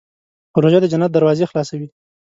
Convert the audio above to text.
روژه د جنت دروازې خلاصوي.